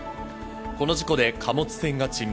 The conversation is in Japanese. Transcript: この事故で貨物船が沈没。